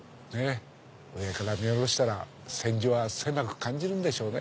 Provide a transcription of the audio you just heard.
上から見下ろしたら千住は狭く感じるんでしょうね。